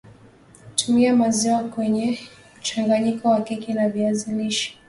Tumia maziwa kwenyemchanganyiko wa keki ya viazi lishe